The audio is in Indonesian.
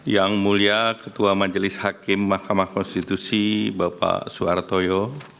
yang mulia ketua majelis hakim mahkamah konstitusi bapak suhartoyo